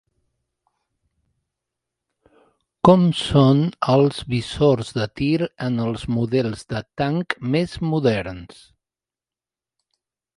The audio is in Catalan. Com són els visors de tir en els models de tanc més moderns?